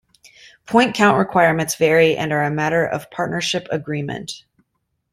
Point count requirements vary and are a matter of partnership agreement.